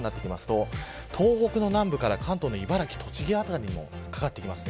午後になると、東北の南部から関東の茨城、栃木辺りにもかかってきます。